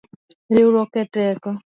Riuruok eteko.